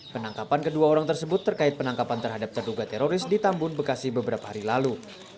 penangkapan kedua orang tersebut terkait penangkapan terhadap terduga teroris di tambun bekasi beberapa hari lalu